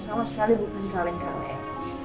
sama sekali bukan kaleng kaleng